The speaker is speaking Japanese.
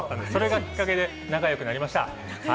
それがきっかけで仲良くなりました。